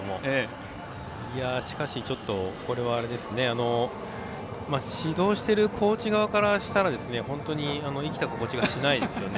しかし、ちょっとこれは指導しているコーチ側からしたら生きた心地がしないですよね